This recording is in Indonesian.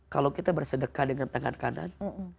kalau kita bersedekah dengan tangan kanan